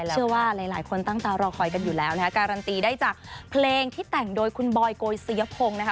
เชื่อว่าหลายคนตั้งตารอคอยกันอยู่แล้วนะคะการันตีได้จากเพลงที่แต่งโดยคุณบอยโกยสยพงศ์นะคะ